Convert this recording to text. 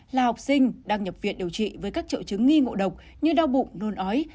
là học sinh đang nhập viện điều trị với các triệu chứng nghi ngộ độc như đau bụng nôn ói